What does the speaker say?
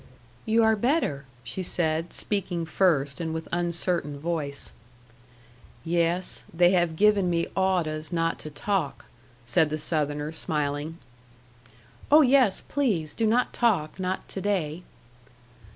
"You are better," she said, speaking first, and with uncertain voice. "Yes. They have given me awdehs not to talk," said the Southerner, smiling. "Oh, yes. Please do not talk not to day."